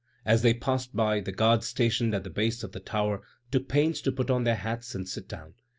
As they passed by, the guards stationed at the base of the tower took pains to put on their hats and sit down.